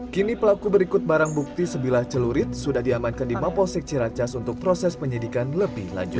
kini pelaku berikut barang bukti sebilah celurit sudah diamankan di maposek ciracas untuk proses penyidikan lebih lanjut